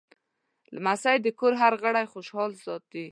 لمسی د کور هر غړی خوشحال ساتي.